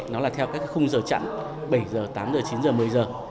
nó là theo các khung giờ chặn bảy giờ tám giờ chín giờ một mươi giờ